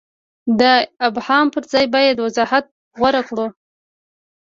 د ابهام پر ځای باید وضاحت غوره کړو.